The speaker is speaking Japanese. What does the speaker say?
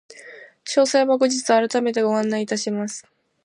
詳細は後日改めてご案内いたします。